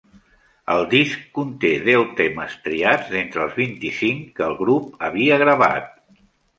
El disc conté deu temes triats d'entre els vint-i-cinc que el grup havia gravat.